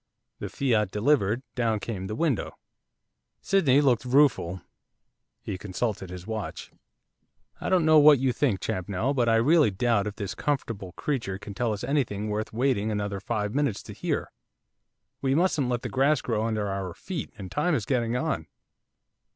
The fiat delivered, down came the window. Sydney looked rueful, he consulted his watch. 'I don't know what you think, Champnell, but I really doubt if this comfortable creature can tell us anything worth waiting another five minutes to hear. We mustn't let the grass grow under our feet, and time is getting on.